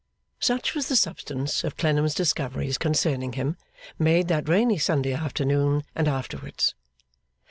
Such was the substance of Clennam's discoveries concerning him, made that rainy Sunday afternoon and afterwards.